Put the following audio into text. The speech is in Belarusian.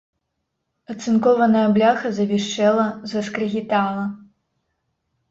Ацынкованая бляха завішчэла, заскрыгітала.